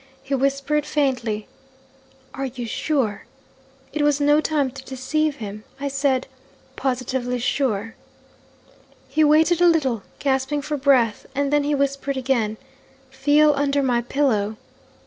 He whispered faintly, 'Are you sure?' It was no time to deceive him; I said, 'Positively sure.' He waited a little, gasping for breath, and then he whispered again, 'Feel under my pillow.'